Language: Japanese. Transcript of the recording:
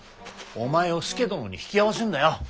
お前を佐殿に引き合わせんだよ。